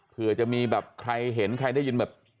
เผื่อจะมีแบบใครเห็นใครได้ยินแบบ